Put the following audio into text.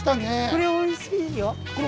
これおいしいですか？